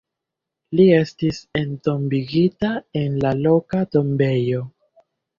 Li estis entombigita en la loka tombejo.